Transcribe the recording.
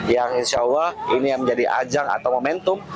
yang insya allah ini yang menjadi ajang atau momentum